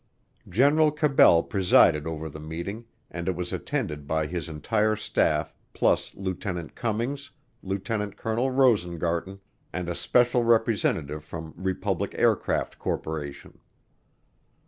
General Cabell presided over the meeting, and it was attended by his entire staff plus Lieutenant Cummings, Lieutenant Colonel Rosengarten, and a special representative from Republic Aircraft Corporation.